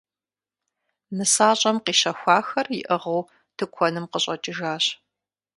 Нысащӏэм къищэхуахэр иӏыгъыу тыкуэным къыщӏэкӏыжащ.